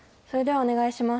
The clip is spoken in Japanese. お願いします。